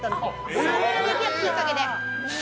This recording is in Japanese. このお好み焼ききっかけで。